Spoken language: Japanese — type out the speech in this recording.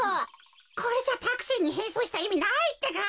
これじゃタクシーにへんそうしたいみないってか！